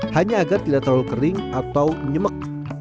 hanya agar tidak terlalu kering atau menyemek